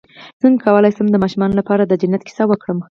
څنګه کولی شم د ماشومانو لپاره د جنت کیسه وکړم